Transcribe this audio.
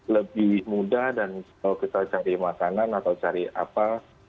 lebih mudah dan kalau kita cari makanan atau cari apa